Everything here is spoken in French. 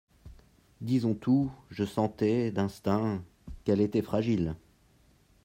Disons tout, je sentais, d'instinct, qu'elle était fragile.